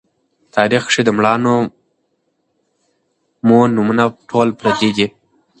تاریخ کښې د مــړانو مـو نومــونه ټول پردي دي